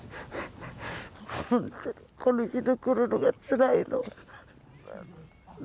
本当にこの日が来るのがつらいの。